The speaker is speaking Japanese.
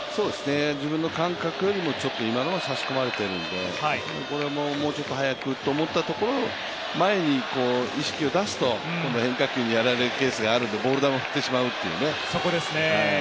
自分の感覚よりも、ちょっと今のは差し込まれているので、もうちょっと速くと思ったところ、前に意識を出すと今度、変化球にやられるケースがあるのでボール球を振ってしまうという。